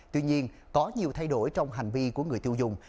tuy nhiên có nhiều thay đổi trong hành vi của người tiêu dùng